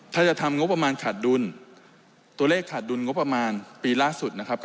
ถ้าจะทำงบประมาณขาดดุลตัวเลขขาดดุลงบประมาณปีล่าสุดนะครับ